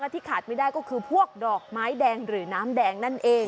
ที่ขาดไม่ได้ก็คือพวกดอกไม้แดงหรือน้ำแดงนั่นเอง